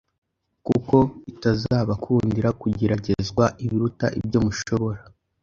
kuko itazabakundira kugeragezwa ibiruta ibyo mushobora,